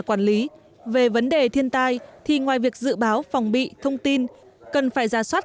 quản lý về vấn đề thiên tai thì ngoài việc dự báo phòng bị thông tin cần phải ra soát